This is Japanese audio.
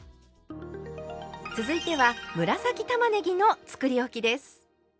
続いては紫たまねぎのつくりおきです。